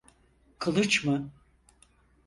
Kılıç mı?